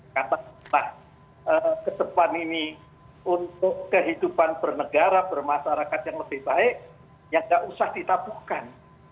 kata kita ke depan ini untuk kehidupan bernegara bermasyarakat yang lebih baik yang tidak usah ditapuhkan